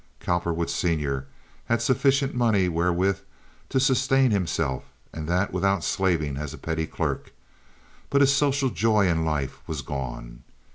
Cowperwood, senior, had sufficient money wherewith to sustain himself, and that without slaving as a petty clerk, but his social joy in life was gone.